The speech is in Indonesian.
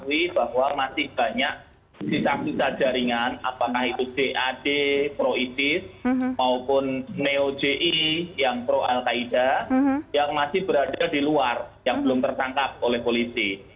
kita ketahui bahwa masih banyak sisa sisa jaringan apakah itu jad pro isis maupun neo ji yang pro al qaeda yang masih berada di luar yang belum tertangkap oleh polisi